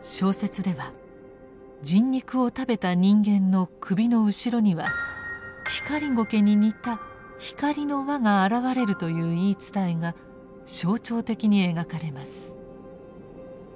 小説では「人肉を食べた人間の首の後ろにはひかりごけに似た光の輪が現れる」という言い伝えが象徴的に描かれます。